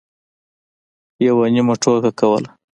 یوه نیمه ټوکه کوله.